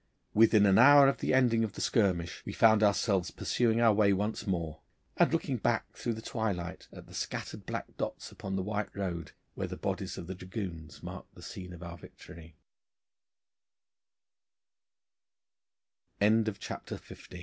Within an hour of the ending of the skirmish we found ourselves pursuing our way once more, and looking back through the twilight at the scattered black dots upon the white road, where the bodies of the dragoons marked the scene of our victo